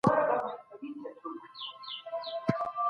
له وسایلو څخه په احتیاط کار واخله.